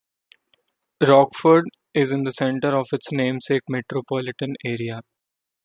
Rockford is in the center of its namesake metropolitan area.